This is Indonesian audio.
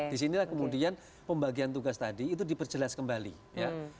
disinilah kemudian pembagian tugas tadi itu diperjelas kembali ya